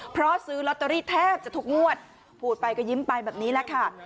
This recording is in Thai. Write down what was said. เพราะซื้อลอตเตอรี่แทบจะทุกงวดพูดไปก็ยิ้มไปแบบนี้แหละค่ะ